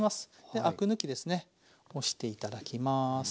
でアク抜きですねをして頂きます。